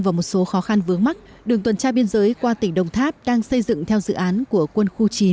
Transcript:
và một số khó khăn vướng mắt đường tuần tra biên giới qua tỉnh đồng tháp đang xây dựng theo dự án của quân khu chín